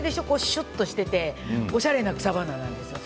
しゅっとしておしゃれな草花なんですよ。